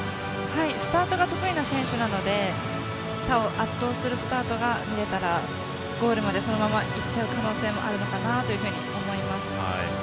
スタート得意な選手なので他を圧倒するスタートが見れたらゴールまでそのまま行っちゃう可能性もあるかなと思います。